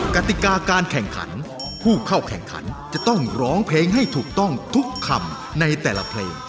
กติกาการแข่งขันผู้เข้าแข่งขันจะต้องร้องเพลงให้ถูกต้องทุกคำในแต่ละเพลง